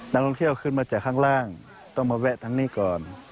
นักท่องเที่ยวขึ้นมาจากข้างล่างต้องมาแวะทั้งนี้ก่อน